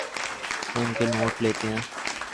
ان کے نوٹ لیتے ہیں